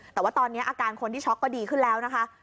แต่ว่าตอนนี้อาการคนที่ช็อกก็ดีขึ้นแล้วนะคะ